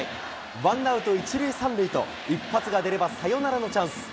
ワンアウト１塁３塁と、一発が出ればサヨナラのチャンス。